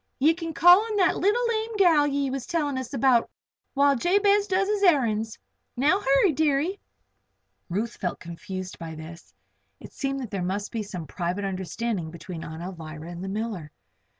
Ye can call on that leetle lame gal ye was tellin' us about while Jabez does his errands. Now hurry, deary." Ruth felt quite confused by this. It seemed that there must be some private understanding between Aunt Alvirah and the miller.